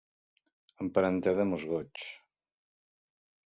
Emparentada amb els goigs.